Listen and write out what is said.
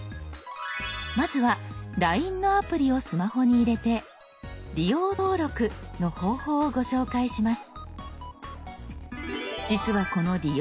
まずは「ＬＩＮＥ」のアプリをスマホに入れて「利用登録」の方法をご紹介します。